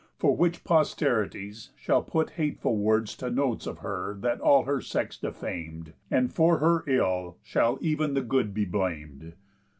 For which posterities shall put hateful words To notes of her that all her sex defam'd, And for her ill shall ev'n the good be blam'd."